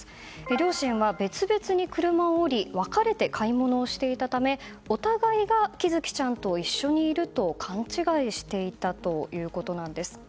両親は別々に車に降り分かれて買い物をしていたためお互いが喜寿生ちゃんと一緒にいると勘違いしていたということです。